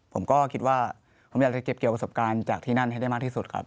ผมก็คิดว่าผมอยากจะเก็บเกี่ยวประสบการณ์จากที่นั่นให้ได้มากที่สุดครับ